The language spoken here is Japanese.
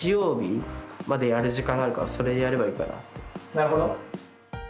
なるほど。